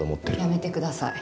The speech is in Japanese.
やめてください。